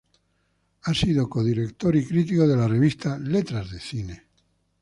Ha sido codirector y crítico de la revista "Letras de Cine".